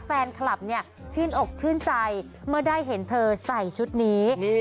แฟนคลับเนี่ยชื่นอกชื่นใจเมื่อได้เห็นเธอใส่ชุดนี้